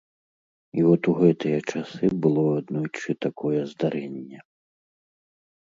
І от у гэтыя часы было аднойчы такое здарэнне.